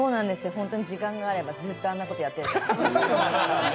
本当に時間があればずっとあんなことやってる。